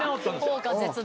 効果絶大。